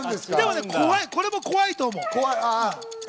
でも、これも怖いと思う。